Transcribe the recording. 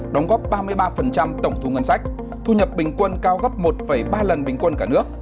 đóng góp ba mươi ba tổng thu ngân sách thu nhập bình quân cao gấp một ba lần bình quân cả nước